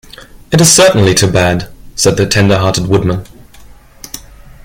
It is certainly too bad! said the tender hearted Woodman.